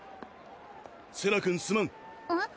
セラ君すまんえっ？